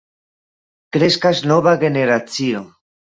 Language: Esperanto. Kreskas nova generacio.